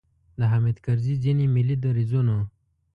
د حامد کرزي ځینې ملي دریځونو.